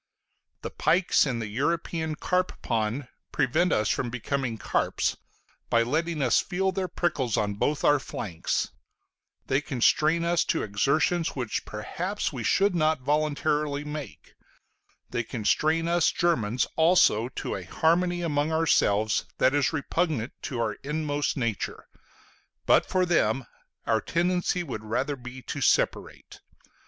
The pikes in the European carp pond prevent us from becoming carps, by letting us feel their prickles on both our flanks; they constrain us to exertions which perhaps we should not voluntarily make; they constrain us Germans also to a harmony among ourselves that is repugnant to our inmost nature: but for them, our tendency would rather be to separate.